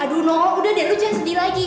aduh noh udah deh lu jangan sedih lagi